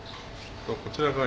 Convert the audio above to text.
こちらが。